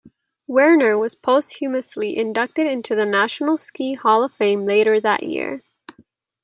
Werner was posthumously inducted into the National Ski Hall of Fame later that year.